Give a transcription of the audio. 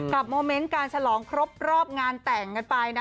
โมเมนต์การฉลองครบรอบงานแต่งกันไปนะ